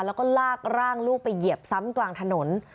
แล้วก็ลากร่างลูกไปเหยียบซ้ำกลางถนน